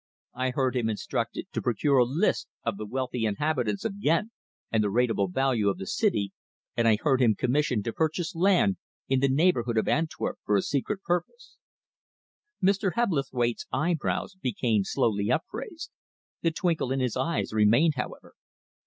I heard him instructed to procure a list of the wealthy inhabitants of Ghent and the rateable value of the city, and I heard him commissioned to purchase land in the neighbourhood of Antwerp for a secret purpose." Mr. Hebblethwaite's eyebrows became slowly upraised. The twinkle in his eyes remained, however.